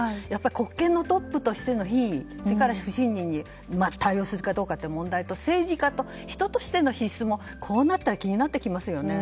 国権のトップとしての品位不信任に対応するかどうかという問題と政治家と、人としての資質もこうなったら気になってきますよね。